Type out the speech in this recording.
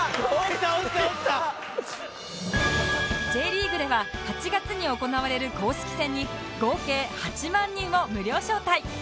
Ｊ リーグでは８月に行われる公式戦に合計８万人を無料招待